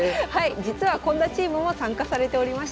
実はこんなチームも参加されておりました。